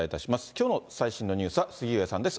きょうの最新のニュースは、杉上さんです。